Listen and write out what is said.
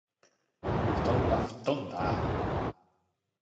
布団が吹っ飛んだあ